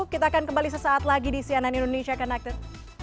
kita akan kembali sesaat lagi di cnn indonesia connected